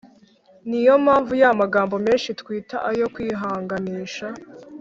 niyo mpamvu ya magambo menshi twita ayo kwihanganisha